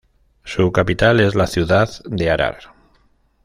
Su capital es la ciudad de Arar.